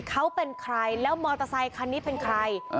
เขาเป็นใครแล้วมอเตอร์ไซคันนี้เป็นใคร